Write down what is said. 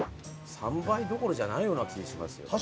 ３倍どころじゃないような気がしますよね。